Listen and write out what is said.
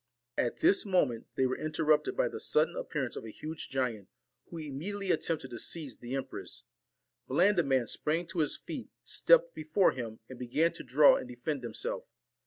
At this moment they were interrupted by the sudden appearance of a huge giant, who imme diately attempted to seize the empress. Blandi man sprang to his feet, stepped before him, and began to draw and defend himself.